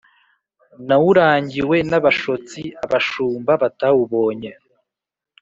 nawurangiwe n'abashotsi, abashumba batawubonye.